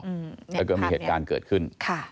แล้วก็มีเหตุการณ์เกิดขึ้น